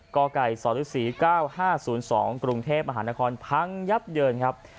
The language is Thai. กไก่สรศรี๙๕๐๒กรุงเทพมหานครพังยับเยินครับ